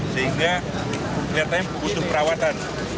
sehingga kelihatannya butuh perawatan